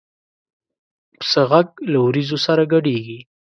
پسه غږ له وریځو سره ګډېږي.